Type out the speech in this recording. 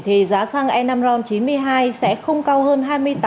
thì giá xăng e năm ron chín mươi hai sẽ không cao hơn